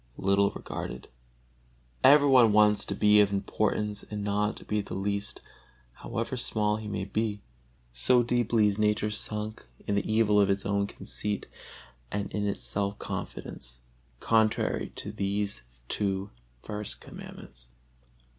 little regarded. Every one wants to be of importance and not to be the least, however small he may be; so deeply is nature sunk in the evil of its own conceit and in its self confidence contrary to these two first Commandments.